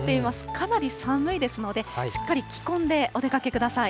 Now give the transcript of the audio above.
かなり寒いですので、しっかり着込んでお出かけください。